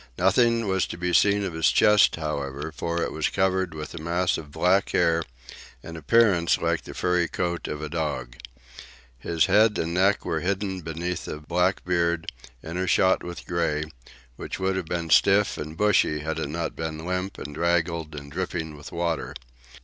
Nothing was to be seen of his chest, however, for it was covered with a mass of black hair, in appearance like the furry coat of a dog. His face and neck were hidden beneath a black beard, intershot with grey, which would have been stiff and bushy had it not been limp and draggled and dripping with water.